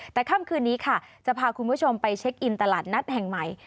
แต่ค่ำคืนนี้ค่ะจะพาคุณผู้ชมไปเช็คอินตลาดนัดแห่งใหม่